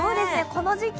この時季